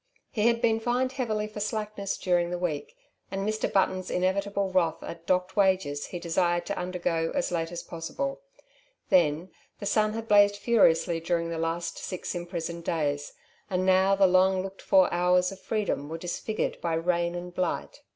He had been fined heavily for slackness during the week, and Mr. Button's inevitable wrath at docked wages he desired to undergo as late as possible. Then, the sun had blazed furiously during the last six imprisoned days, and now the long looked for hours of freedom were disfigured by rain and blight.